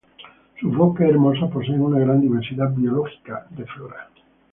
Sus bosques hermosos poseen una gran diversidad biológica de flora.